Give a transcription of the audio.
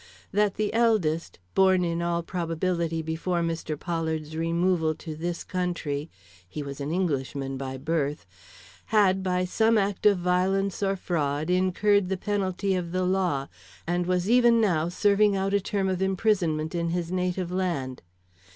That the eldest, born in all probability before Mr. Pollard's removal to this country (he was an Englishman by birth), had, by some act of violence or fraud, incurred the penalty of the law, and was even now serving out a term of imprisonment in his native land.